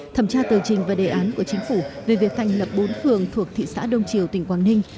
thẩm tra tờ trình và đề án của chính phủ về việc thành lập bốn phường thuộc thị xã đông triều tỉnh quảng ninh